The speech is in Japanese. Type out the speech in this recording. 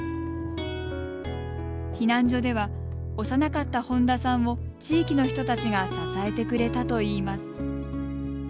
避難所では幼かった本多さんを地域の人たちが支えてくれたといいます。